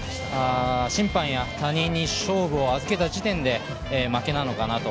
審判や他人に勝負を預けた時点で負けなのかなと。